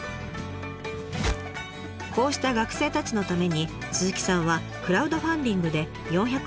こうした学生たちのために鈴木さんはクラウドファンディングで４００万円を集め奨学基金を設立。